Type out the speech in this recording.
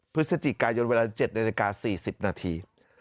พฤศจิกายนเวลา๗นาฬิกา๔๐นาที